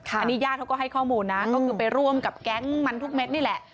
อันนี้ญาติเขาก็ให้ข้อมูลนะก็คือไปร่วมกับแก๊งมันทุกเม็ดนี่แหละ